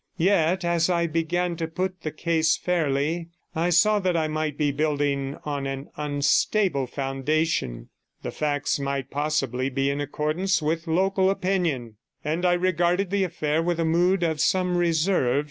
Yet as I began to put the case fairly, I saw that I might be building on an unstable foundation; the facts might possibly be in accordance with local opinion, and I regarded the affair with a mood of some reserve.